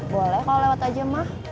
boleh kalau lewat aja mah